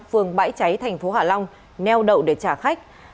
phường bãi cháy thành phố hạ long neo đậu để trả khách